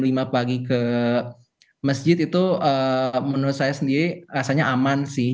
lagi ke masjid itu menurut saya sendiri rasanya aman sih